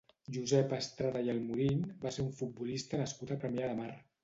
Josep Estrada i Almorín va ser un futbolista nascut a Premià de Mar.